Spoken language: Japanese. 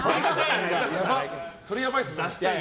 それ、やばいですね。